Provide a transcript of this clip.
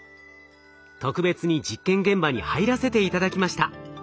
特別に実験現場に入らせて頂きました。